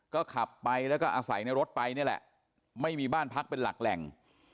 ก็ขับไปแล้วก็อาศัยในรถไปนี่แหละไม่มีบ้านพักเป็นหลักแหล่ง